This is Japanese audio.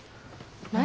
何？